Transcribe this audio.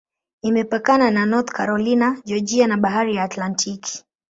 Imepakana na North Carolina, Georgia na Bahari ya Atlantiki.